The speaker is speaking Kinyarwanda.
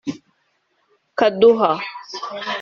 Kaduha